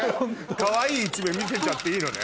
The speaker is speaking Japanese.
かわいい一面見せちゃっていいのね。